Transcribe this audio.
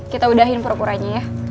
kita udahin pura puranya ya